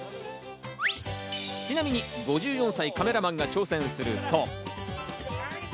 ちなみに５４歳のカメラマンが挑戦すると。